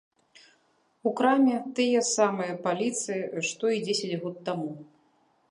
У краме тыя самыя паліцы, што і дзесяць год таму.